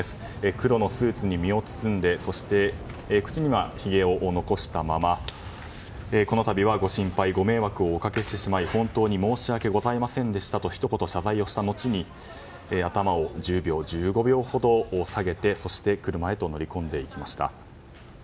黒のスーツに身を包んでそして口にはひげを残したままこのたびはご心配、ご迷惑をおかけしてしまい本当に申し訳ございませんでしたとひと言謝罪をした後頭を１５秒ほど下げて車へと乗り込んでいきました。